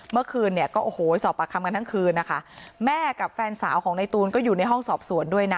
เมื่อคืนเนี่ยก็โอ้โหสอบปากคำกันทั้งคืนนะคะแม่กับแฟนสาวของในตูนก็อยู่ในห้องสอบสวนด้วยนะ